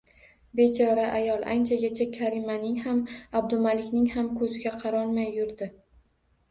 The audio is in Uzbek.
Bechora ayol anchagacha Karimaning ham, Abdumalikning ham ko`ziga qarolmay yurdi